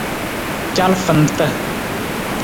Calafanta.